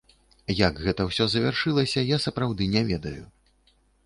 Як гэта ўсё завяршылася, я, сапраўды, не ведаю.